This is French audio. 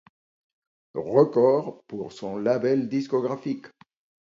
Records pour son label discographique.